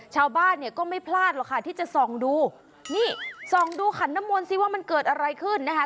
ชาวบ้านเนี่ยก็ไม่พลาดหรอกค่ะที่จะส่องดูนี่ส่องดูขันน้ำมนต์สิว่ามันเกิดอะไรขึ้นนะคะ